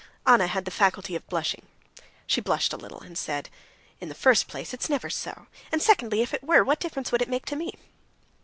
Anna had the faculty of blushing. She blushed a little, and said: "In the first place it's never so; and secondly, if it were, what difference would it make to me?"